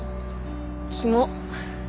キモ。